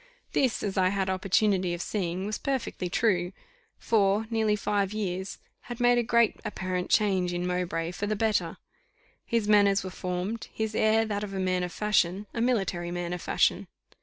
This, as I had opportunity of seeing, was perfectly true; four, nearly five years had made a great apparent change in Mowbray for the better; his manners were formed; his air that of a man of fashion a military man of fashion.